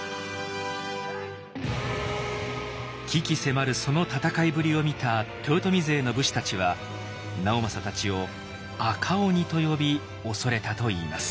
鬼気迫るその戦いぶりを見た豊臣勢の武士たちは直政たちを「あかおに」と呼び恐れたといいます。